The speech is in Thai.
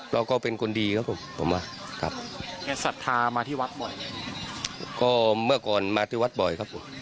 เราก็เป็นคนดีครับผมผมว่าครับหมายความศรัทธามาที่วัดบ่อย